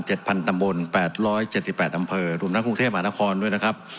พันตำบลแปดร้อยเจ็ดสิบแปดอำเภอรวมทั้งกรุงเทพมหานครด้วยนะครับ